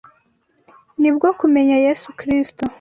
ni bwo kumenya Yesu Kristo